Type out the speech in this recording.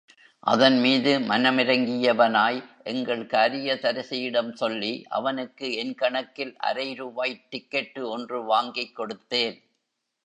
அதன்மீது மனமிரங்கியவனாய், எங்கள் காரியதரிசியிடம் சொல்லி, அவனுக்கு என் கணக்கில் அரை ரூபாய் டிக்கட்டு ஒன்று வாங்கிக் கொடுத்தேன்.